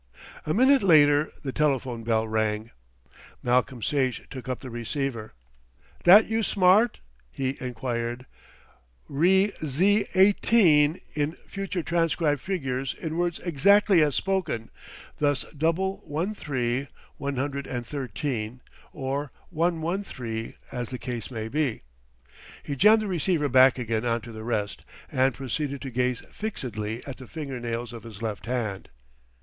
A minute later the telephone bell rang. Malcolm Sage took up the receiver. "That you, Smart?" he enquired, "re Z.18, in future transcribe figures in words exactly as spoken, thus double one three, one hundred and thirteen, or one one three, as the case may be." He jammed the receiver back again on to the rest, and proceeded to gaze fixedly at the finger nails of his left hand.